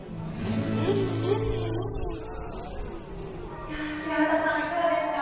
いや平畠さんいかがですか。